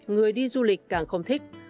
người đi du lịch càng không thích